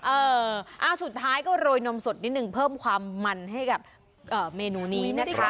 เอออ่าสุดท้ายก็โรยนมสดนิดนึงเพิ่มความมันให้กับเมนูนี้นะคะ